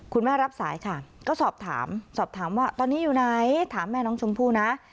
รับสายค่ะก็สอบถามสอบถามว่าตอนนี้อยู่ไหนถามแม่น้องชมพู่นะ